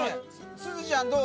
すずちゃんどう？